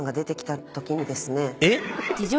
えっ？